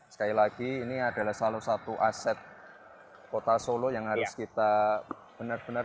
sekali lagi ini adalah salah satu aset kota solo yang harus kita benar benar